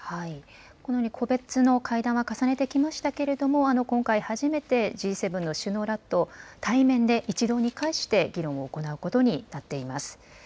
このように個別の会談は重ねてきましたけれども、今回初めてＧ７の首脳らと対面で一堂に会して、議論を行うことになっています。